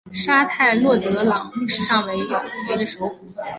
沙泰洛德朗历史上为的首府。